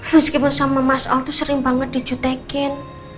meskipun sama mas al tuh sering banget dicutekin